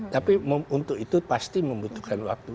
tapi untuk itu pasti membutuhkan waktu